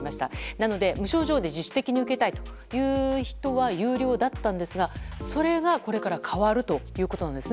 なので、無症状で自主的に受けたいという人は有料だったんですがそれがこれから変わるんですね。